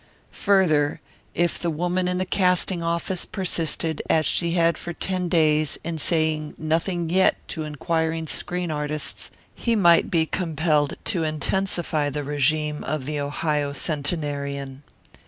Further, if the woman in the casting office persisted, as she had for ten days, in saying "Nothing yet" to inquiring screen artists, he might be compelled to intensify the regime of the Ohio centenarian.